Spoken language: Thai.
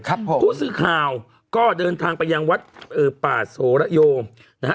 ผู้สื่อข่าวก็เดินทางไปยังวัดเอ่อป่าโสระโยมนะฮะ